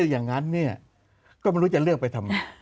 อย่างนั้นเนี่ยก็ไม่รู้จะเลือกไปทำไม